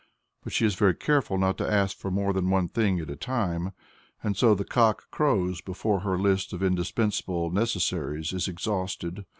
But she is very careful not to ask for more than one thing at a time, and so the cock crows before her list of indispensable necessaries is exhausted.